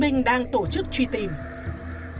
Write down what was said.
cảm ơn các bạn đã theo dõi và hẹn gặp lại